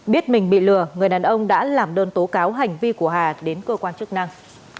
biết mình bị lừa người đàn ông đã làm đơn tố cáo hành vi của hà đến cơ quan chức năng